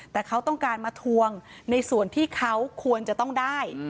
แต่เขาต้องการมาทวงในส่วนที่เขาควรจะต้องได้